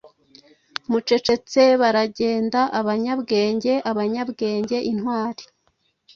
mucecetse baragenda, abanyabwenge, abanyabwenge, intwari.